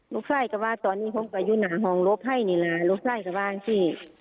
ลูกไส้ก็ว่าตอนนี้ผมก็อยู่หน้าหองรบให้เนี่ยล่ะลูกไส้ก็ว่าสิ